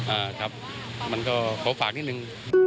อ่าครับมันก็ขอฝากนิดนึง